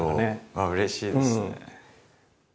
あっうれしいですね。